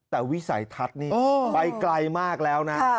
แต่วิสัยทัศน์นี่ไปไกลมากแล้วนะ